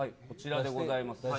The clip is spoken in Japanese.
こちらでございます。